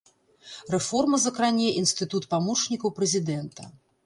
Рэформа закране інстытут памочнікаў прэзідэнта.